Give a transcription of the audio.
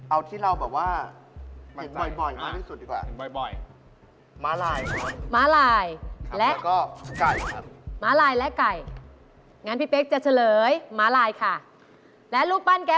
เอาที่เราแบบว่าบ่อยมากที่สุดดีกว่า